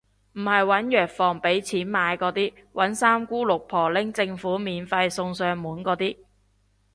唔係搵藥房畀錢買嗰啲，搵三姑六婆拎政府免費送上門嗰啲